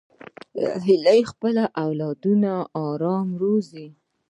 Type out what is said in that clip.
هیلۍ خپل اولادونه آرام روزي